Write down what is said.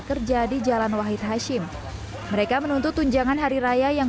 kerja di jalan wahid hashim mereka menuntut tunjangan hari raya yang